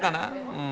うん。